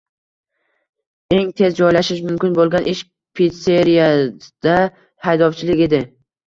Eng tez joylashish mumkin boʻlgan ish — pitseriyada haydovchilik edi.